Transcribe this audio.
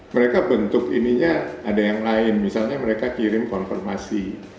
mereka bentuk ininya ada yang lain misalnya mereka kirim konfirmasi